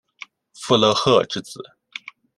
傅勒赫之子。